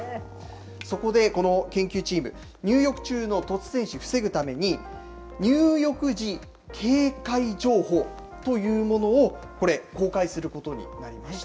そこでこの研究チーム、入浴中の突然死防ぐために、入浴時警戒情報というものを、これ、公開することになりました。